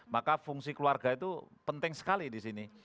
maka fungsi keluarga itu penting sekali di sini